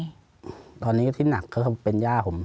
อยู่แค่หนักมักเป็นย่าผม